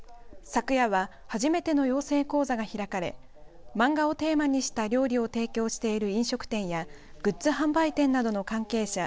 昨夜は初めての養成講座が開かれ漫画をテーマにした料理を提供している飲食店やグッズ販売店などの関係者